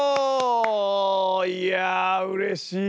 いやあうれしい！